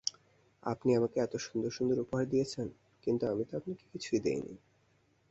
আপনি আমাকে এত সুন্দর-সুন্দর উপহার দিয়েছেন, কিন্তু আমি তো আপনাকে কিছুই দিই নি।